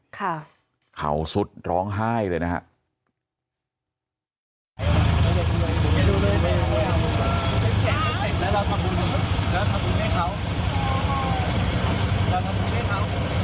ค่ะเขาสุดร้องไห้เลยนะฮะ